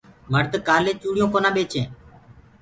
مڙد ڪآلي چوڙيونٚ ڪونآ پيري